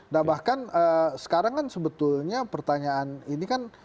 nah bahkan sekarang kan sebetulnya pertanyaan ini kan